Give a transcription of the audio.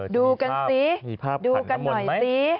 ดูกันซิดูกันหน่อยสิ